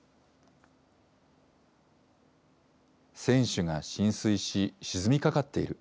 船首が浸水し、沈みかかっている。